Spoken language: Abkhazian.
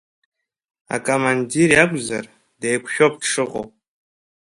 Акомандир иакәзар, деиқәшәоуп дшыҟоу.